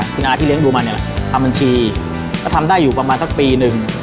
คุณอาที่เลี้ยงดูมาเนี่ยแหละทำบัญชีก็ทำได้อยู่ประมาณสักปีหนึ่ง